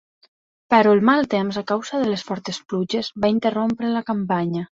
Però el mal temps, a causa de les fortes pluges, va interrompre la campanya.